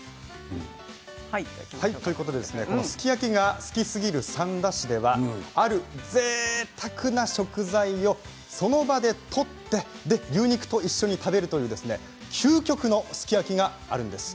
すき焼きが好きすぎる三田市ではある、ぜいたくな食材をその場で取って牛肉と一緒に食べるという究極のすき焼きがあるんです。